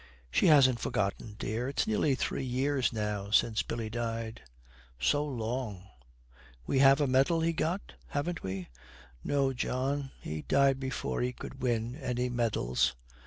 'She hasn't forgotten, dear. And it's nearly three years now since Billy died.' 'So long! We have a medal he got, haven't we?' 'No, John; he died before he could win any medals.'